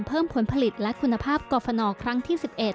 เพิ่มผลผลิตและคุณภาพกรฟนครั้งที่๑๑